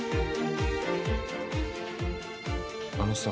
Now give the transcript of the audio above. あのさ。